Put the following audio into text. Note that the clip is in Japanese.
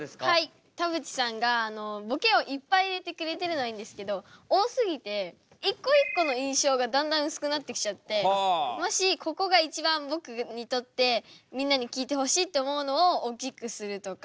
田渕さんがボケをいっぱい入れてくれてるのはいいんですけど多すぎて一個一個の印象がだんだん薄くなってきちゃってもしここが一番僕にとってみんなに聞いてほしいって思うのを大きくするとか。